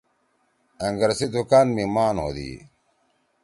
أنگر سی دوکان می مان ہودی۔